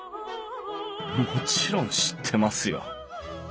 もちろん知ってますよ